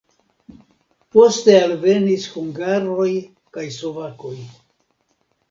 Poste alvenis hungaroj kaj slovakoj.